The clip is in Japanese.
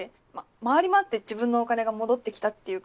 回り回って自分のお金が戻ってきたっていうか。